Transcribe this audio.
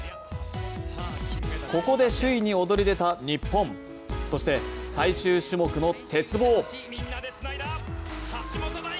ここで首位に躍り出た日本そして最終種目の鉄棒